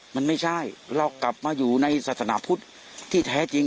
มันไม่ใช่เรากลับมาอยู่ในศาสนาพุทธที่แท้จริง